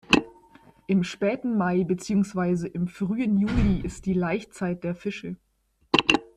Im späten Mai beziehungsweise im frühen Juli ist die Laichzeit der Fische.